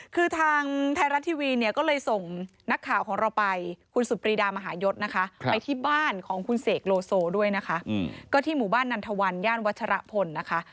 ก็เลยแต่งพล